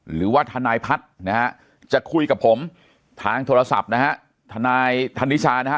หรือว่าทนายพัฒน์นะฮะจะคุยกับผมทางโทรศัพท์นะฮะทนายธนิชานะฮะ